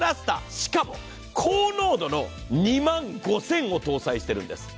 しかも、高濃度の２５０００を搭載しているんです。